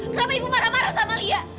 kenapa ibu marah marah sama lia